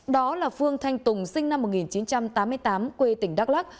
đó là phương thanh tùng sinh năm một nghìn chín trăm tám mươi tám quê tỉnh đắk lắc